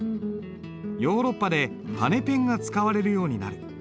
ヨーロッパで羽ペンが使われるようになる。